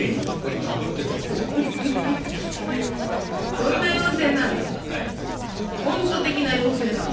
そんな妖精なんだ？